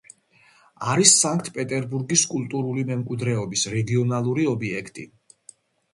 არის სანქტ-პეტერბურგის კულტურული მემკვიდრეობის რეგიონალური ობიექტი.